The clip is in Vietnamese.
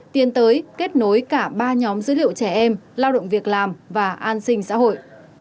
tiến tới kết nối cả ba nhóm dữ liệu trẻ em lao động việc làm và an sinh xã hội